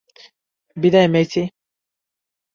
বিদায়, মেইসি!